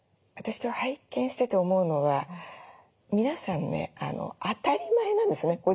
私今日拝見してて思うのは皆さんね当たり前なんですよね。